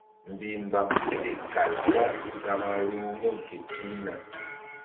Mbihmbam seɗe kal da gama ruh mun ke pihna.